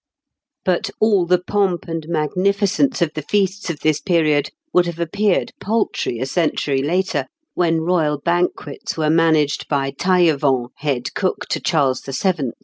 ] But all the pomp and magnificence of the feasts of this period would have appeared paltry a century later, when royal banquets were managed by Taillevent, head cook to Charles VII.